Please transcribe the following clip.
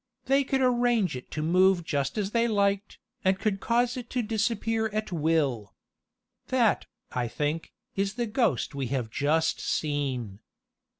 They could arrange it to move as they liked, and could cause it to disappear at will. That, I think, is the ghost we have just seen."